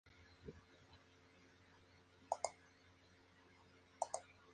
A esta película le iba muy bien este tipo de fotografía.